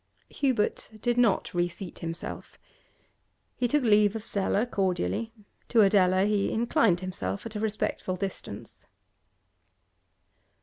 Hubert did not reseat himself. He took leave of Stella cordially; to Adela he inclined himself at respectful distance.